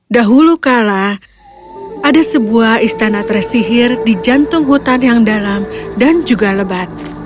dahulu kala ada sebuah istana tersihir di jantung hutan yang dalam dan juga lebat